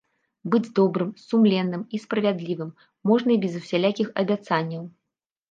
Быць добрым, сумленным і справядлівым можна і без усялякіх абяцанняў.